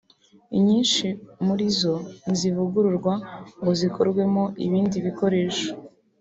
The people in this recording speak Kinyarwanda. inyinshi muri zo ntizivugururwa ngo zikorwemo ibindi bikoresho